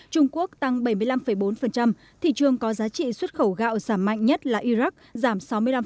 trung quốc tăng bảy mươi năm bốn thị trường có giá trị xuất khẩu gạo giảm mạnh nhất là iraq giảm sáu mươi năm